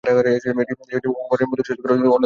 এটি ওমানের মধু চাষ করার জন্যেও অন্যতম জায়গা।